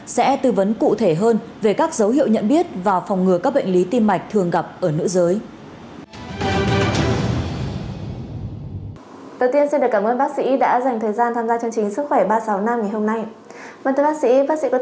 sẽ tư vấn cụ thể hơn về các dấu hiệu nhận biết và phòng ngừa các bệnh lý tim mạch thường gặp ở nữ giới